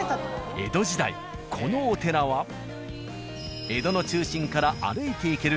江戸時代このお寺は江戸の中心から歩いて行ける